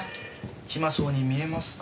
暇そうに見えますか？